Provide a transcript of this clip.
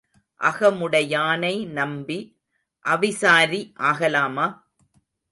அகமுடையானை நம்பி அவிசாரி ஆகலாமா?